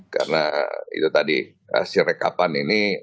karena itu tadi hasil rekapan ini